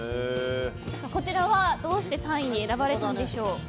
こちらはどうして３位に選ばれたんでしょう？